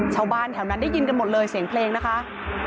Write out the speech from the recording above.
ชาวบ้านแถวนั้นได้ยินกันหมดเลยเสียงเพลงนะคะ